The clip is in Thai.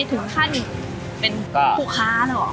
ถึงขั้นเป็นผู้ค้าหรือเปล่า